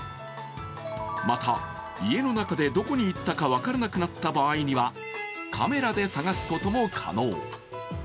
また、家の中でどこに行ったか分からなくなった場合にはカメラで探すことも可能。